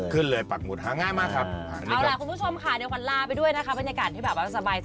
ขึ้นเลยปักหมุดฮังง่ายมากครับ